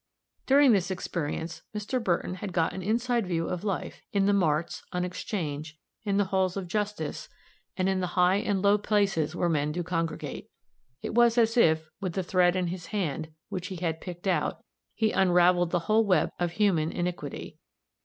During this experience, Mr. Burton had got an inside view of life, in the marts, on exchange, in the halls of justice, and in the high and low places where men do congregate. It was as if, with the thread in his hand, which he had picked out, he unraveled the whole web of human iniquity.